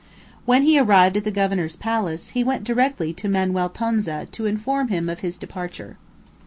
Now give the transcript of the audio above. When he arrived at the governor's palace, he went directly to Manuel Tonza, to inform him of his departure.